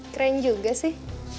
keren juga sih